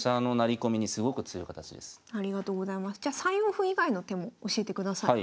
じゃ３四歩以外の手も教えてください。